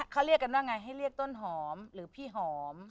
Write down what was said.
เขาเรียกกันว่าไงให้เรียกต้นหอมหรือพี่หอม